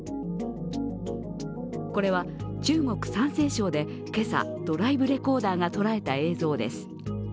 これは、中国・山西省で今朝ドライブレコーダーが捉えた映像です。